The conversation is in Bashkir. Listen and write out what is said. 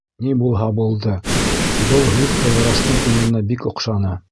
Ни булһа булды, был һүҙ Ҡыҙырастың күңеленә бик оҡшаны.